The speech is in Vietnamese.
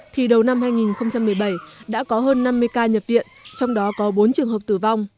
thì đầu năm hai nghìn một mươi bảy đã có hơn năm mươi ca nhập viện trong đó có bốn trường hợp tử vong